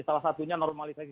salah satunya normalisasi